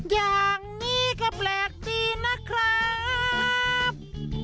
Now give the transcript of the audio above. อย่างนี้ก็แปลกดีนะครับ